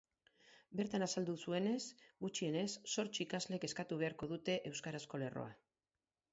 Bertan azaldu zuenez, gutxienez zortzi ikaslek eskatu beharko dute euskarazko lerroa.